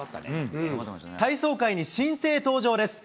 体操界に新星登場です。